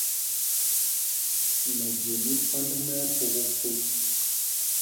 Mɛje mí Pand mɛ ɛpupupu.